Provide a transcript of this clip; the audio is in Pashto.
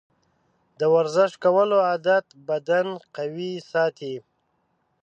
د ورزش کولو عادت بدن قوي ساتي.